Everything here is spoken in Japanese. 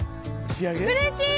うれしい！